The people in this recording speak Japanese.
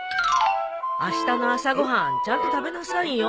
あしたの朝ご飯ちゃんと食べなさいよ。